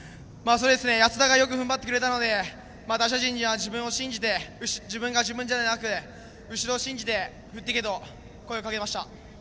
安田がよくふんばってくれたので打者陣には自分を信じて自分がじゃなく後ろを信じて振っていけと声をかけました。